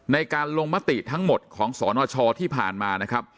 ในการลงมติทั้งหมดของสนชที่ผ่านมานะครับ